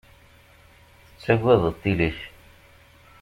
Tettaggadeḍ tili-k.